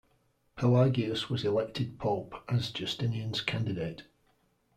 Pelagius was elected Pope as Justinian's candidate.